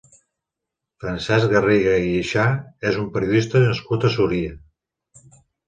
Francesc Garriga i Guixà és un periodista nascut a Súria.